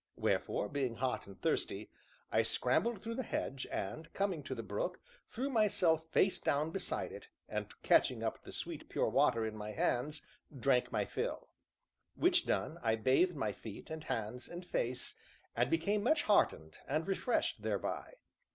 Wherefore, being hot and thirsty, I scrambled through the hedge, and, coming to the brook, threw myself face down beside it, and, catching up the sweet pure water in my hands, drank my fill; which done, I bathed my feet, and hands, and face, and became much heartened and refreshed thereby.